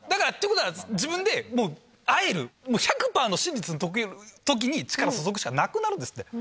ことは、自分でもう、あえる、１００％の真実のときに、力を注ぐしかなくなるんですって。